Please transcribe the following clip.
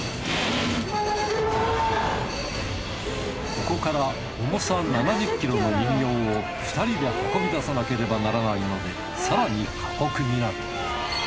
ここから重さ７０ｋｇの人形を２人で運び出さなければならないので更に過酷になる。